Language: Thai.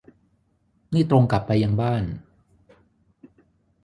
นี่ตรงกลับไปยังบ้าน